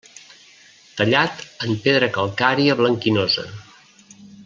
Tallat en pedra calcària blanquinosa.